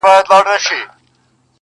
ځان به آصل ورته ښکاري تر خپلوانو,